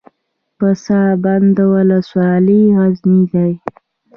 پسابند ولسوالۍ غرنۍ ده؟